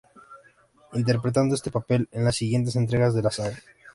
Interpretando este papel en las siguientes entregas de la saga.